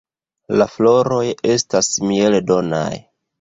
La floroj estas mieldonaj.